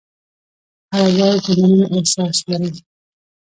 هره ورځ د مننې احساس لرم.